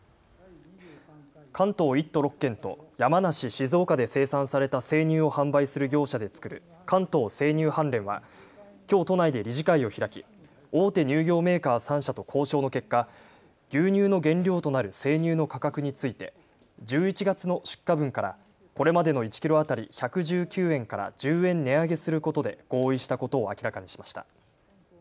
関東１都６県と山梨、静岡で生産された生乳を販売する業者で作る関東生乳販連はきょう都内で理事会を開き大手乳業メーカー３社と交渉の結果、牛乳の原料となる生乳の価格について１１月の出荷分からこれまでの１キロ当たり１１９円から１０円値上げすることで合意したことを明らかにしました。